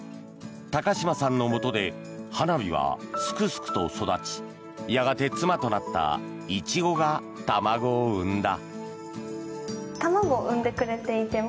高嶋さんのもとではなびはスクスクと育ちやがて妻となったイチゴが卵を産んだ。